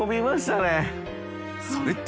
「それって！？